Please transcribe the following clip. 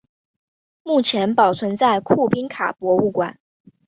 目前保存在库宾卡博物馆。